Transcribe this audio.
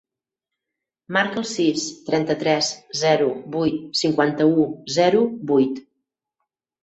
Marca el sis, trenta-tres, zero, vuit, cinquanta-u, zero, vuit.